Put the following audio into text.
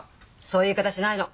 そういう言い方しないの！